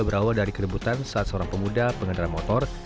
berawal dari keributan saat seorang pemuda pengendara motor